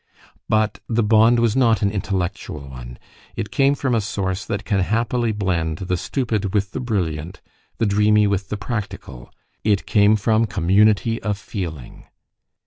But the bond was not an intellectual one; it came from a source that can happily blend the stupid with the brilliant, the dreamy with the practical: it came from community of feeling.